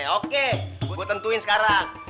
oke gue tentuin sekarang